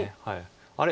あれ？